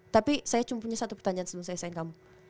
tapi saya cuma punya satu pertanyaan sebelum saya sign kamu